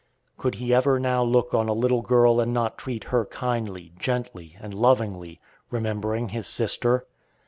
Can he ever now look on a little girl and not treat her kindly, gently, and lovingly, remembering his sister?